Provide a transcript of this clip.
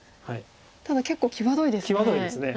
ただ結構際どいですね。